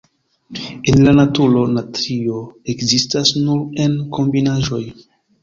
En la naturo, natrio ekzistas nur en kombinaĵoj.